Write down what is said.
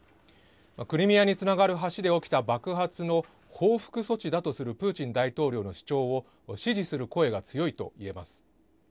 クリミアにつながる橋で起きた爆発の報復措置だとするプーチン大統領の主張を支持する声が強いといえます。